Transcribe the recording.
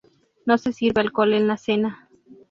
No se sirve alcohol en la cena.